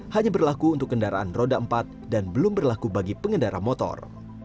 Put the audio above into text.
hanya berlaku untuk kendaraan roda empat dan belum berlaku bagi pengendara motor